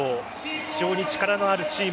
非常に力のあるチーム。